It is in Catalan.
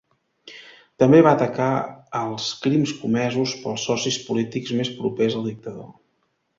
També va atacar als crims comesos pels socis polítics més propers al dictador.